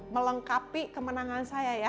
melengkapi kemenangan saya ya